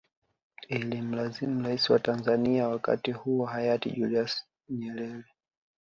Ilimlazimu rais wa Tanzanzia wakati huo hayati Julius Nyerere